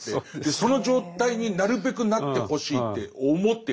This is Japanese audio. その状態になるべくなってほしいって思ってやってます。